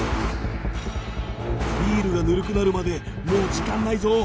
ビールがぬるくなるまでもう時間ないぞ！